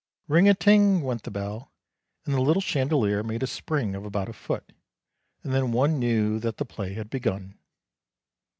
' Ring a ting ' went the bell, and the little chandelier made a spring of about a foot, and then one knew that the play had begun.